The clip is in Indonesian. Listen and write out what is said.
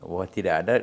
bahwa tidak ada